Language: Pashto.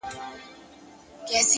• زما سره يې دومره ناځواني وكړله ؛